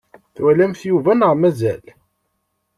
Twalamt Yuba neɣ mazal?